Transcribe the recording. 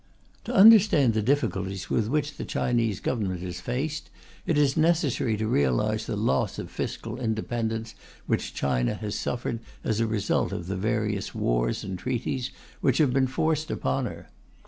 To understand the difficulties with which the Chinese Government is faced, it is necessary to realize the loss of fiscal independence which, China has suffered as the result of the various wars and treaties which have been forced upon her.